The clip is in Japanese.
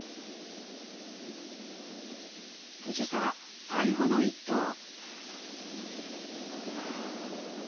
藤澤、最後の１投。